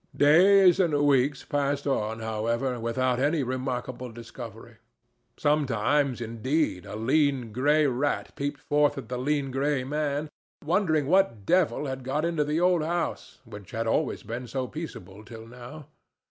Days and weeks passed on, however, without any remarkable discovery. Sometimes, indeed, a lean gray rat peeped forth at the lean gray man, wondering what devil had got into the old house, which had always been so peaceable till now.